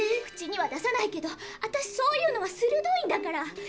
口には出さないけど私そういうのはするどいんだから。